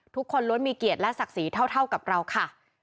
ทุกคนล้วนมีเกียรติและศักดิ์ศรีเท่ากับเราค่ะ